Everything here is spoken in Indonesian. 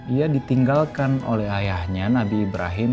ia ditinggalkan oleh ayahnya nabi ibrahim